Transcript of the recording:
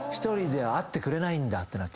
１人で会ってくれないんだって。